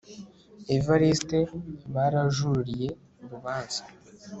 evariste barajururiye urubanza